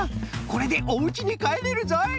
これでおうちにかえれるぞい。